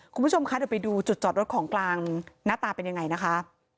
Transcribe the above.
คุณผู้ชมคะเดี๋ยวไปดูจุดจอดรถของกลางหน้าตาเป็นยังไงนะคะ